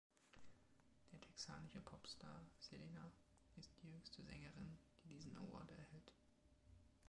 Der texanische Popstar Selena ist die jüngste Sängerin, die diesen Award erhält.